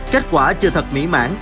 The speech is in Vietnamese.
kết quả chưa thật mỹ mãn